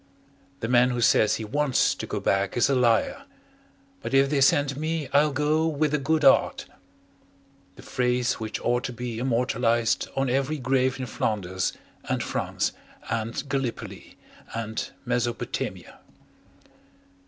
"The man who says he WANTS to go back is a liar. But if they send me, I'll go WITH A GOOD 'EART" The phrase which ought to be immortalized on every grave in Flanders and France and Gallipoli and Mesopotamia.